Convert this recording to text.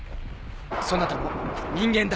そなたも人間だ。